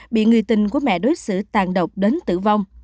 bị người tình của mẹ đối xử tàn độc đến tử vong